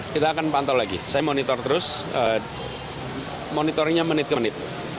kita akan pantau lagi saya monitor terus monitoringnya menit ke menit